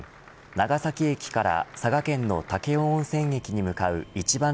長崎駅から佐賀県の武雄温泉駅に向かう一番